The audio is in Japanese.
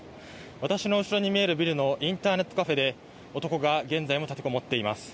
私の後ろに見えるビルのインターネットカフェで男が現在も立てこもっています。